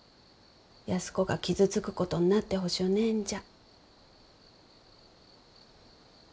安子が傷つくことになってほしゅうねえんじゃ。